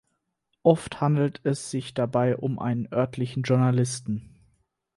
Oft handelt es sich dabei um einen örtlichen Journalisten.